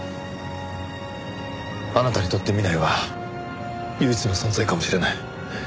あなたにとって南井は唯一の存在かもしれない。